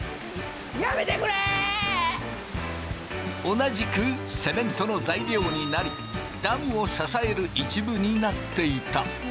同じくセメントの材料になりダムを支える一部になっていた。